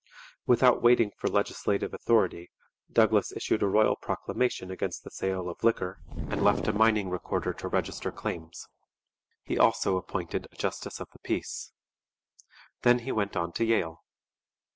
Without waiting for legislative authority, Douglas issued a royal proclamation against the sale of liquor and left a mining recorder to register claims. He also appointed a justice of the peace. Then he went on to Yale.